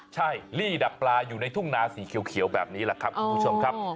ใช่ลี่ดักปลาอยู่ในทุ่งนาสีเขียวแบบนี้แหละครับคุณผู้ชมครับ